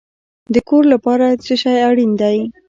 د کور لپاره څه شی اړین دی؟